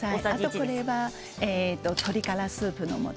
これは鶏ガラスープのもと。